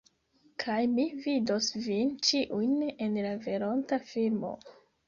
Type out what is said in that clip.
Kaj mi vidos vin ĉiujn en la veronta filmo.